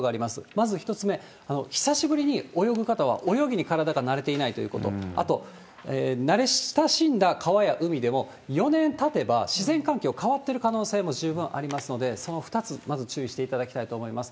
まず１つ目、久しぶりに泳ぐ方は泳ぎに体が慣れていないということ、あと、慣れ親しんだ川や海でも４年たてば、自然環境変わってる可能性も十分ありますので、その２つ、まず注意していただきたいと思います。